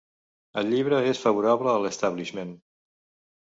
El llibre és favorable a l'establishment.